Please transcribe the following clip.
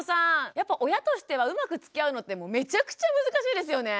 やっぱ親としてはうまくつきあうのってめちゃくちゃ難しいですよね。